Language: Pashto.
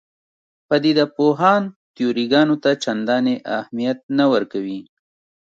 پدیده پوهان تیوري ګانو ته چندانې اهمیت نه ورکوي.